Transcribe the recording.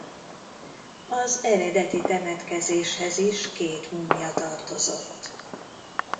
Az eredeti temetkezéshez is két múmia tartozott.